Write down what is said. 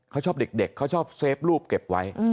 เขาชอบเด็กเขาชอบเซฟรูปเก็บไว้